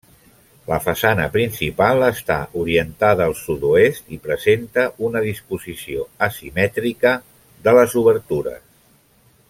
La façana principal està orientada al sud-oest i presenta una disposició asimètrica de les obertures.